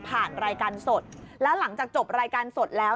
ผ่านรายการสดแล้วหลังจากจบรายการสดแล้ว